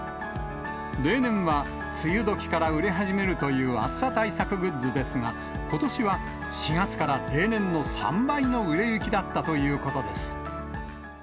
例年は梅雨時から売れ始めるという暑さ対策グッズですが、ことしは、４月から例年の３倍の売れ行きだったということです。